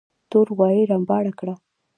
تور غوايي رمباړه کړه.